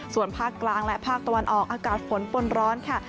ส่วนภาคกลางและภาคตะวันออกอากาศฝนปนร้อนค่ะ